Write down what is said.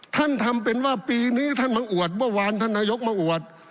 ท่านทำเป็นว่าปีนี้ท่านมังอวดวันวานท่านนายกมังอวด